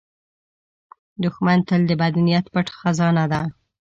دښمن تل د بد نیت پټ خزانه لري